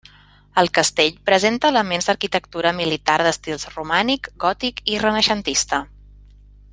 El castell presenta elements d'arquitectura militar d'estils romànic, gòtic i renaixentista.